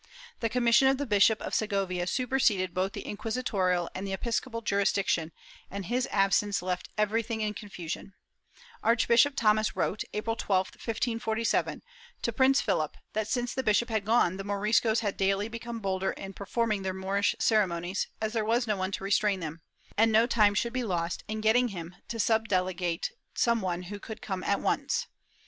The commission of the Bishop of Segovia superseded both the inquisitorial and the episcopal jurisdiction, and his absence left everything in confusion. Archbishop Thomas wrote, April 12, 1547, to Prince Philip that, since the bishop had gone, the Moriscos had daily become bolder in performing their Moorish ceremonies, as there was no one to restrain them; the bishop had left no one to represent him, and no time should be lost in getting him to subdelegate some one who could come at once.